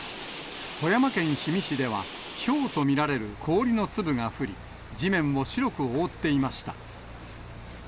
富山県氷見市ではひょうと見られる氷の粒が降り、地面を白く覆っていました。